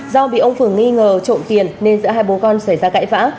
do bị ông phường nghi ngờ trộn tiền nên giữa hai bố con xảy ra cãi vã